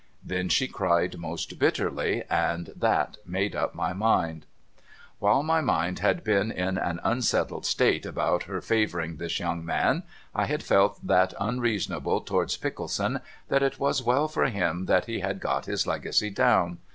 Then she cried most bitterly, and that made up my mind. While my mind had been in an unsettled state about her flavour ing this young man, I had felt that unreasonable towards Pickleson, that it v> as well for him he had got his legacy down.